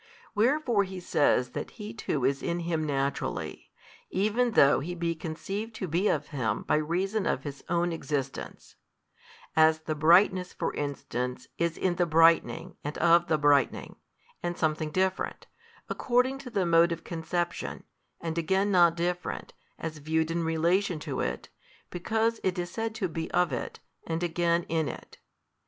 Wherefore He says that He too is in Him Naturally, even though He be conceived to be of Him by reason of His Own Existence: as the brightness for instance, is in the brightening and of the brightening, and something different, according to the mode of conception, and again not different, as viewed in relation to it, because it is said to be of it, and again in it.